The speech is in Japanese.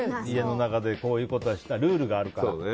家の中でこういうことはしっかりってルールがあるから。